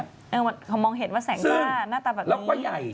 เค้ามองเห็นว่าแสงพร้าดนะตราแบบนี้